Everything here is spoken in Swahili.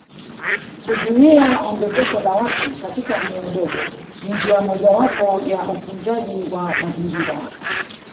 kuzuia ongezeko la watu katika eneo dogo ni njia mojawapo ya utunzaji wa mazingira